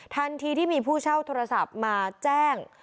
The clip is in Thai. ทันทีที่มีผู้เช่าโทรศัพท์มาแจ้ง